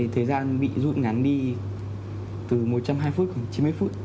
thời gian bị rút ngắn đi từ một trăm hai mươi phút đến chín mươi phút